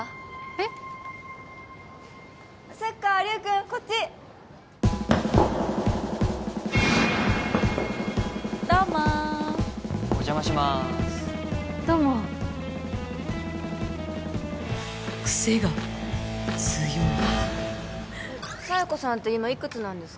えっ？スッカ龍君こっちどうもお邪魔しまーすどうもクセが強い佐弥子さんって今いくつなんですか？